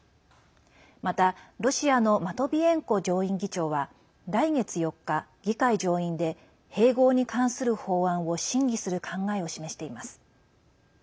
また、ロシアのマトビエンコ上院議長は来月４日、議会上院で併合に関する法案を審議する考えを示しています。